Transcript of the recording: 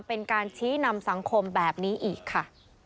เป็นการชี้นำสังคมแบบนี้อีกค่ะ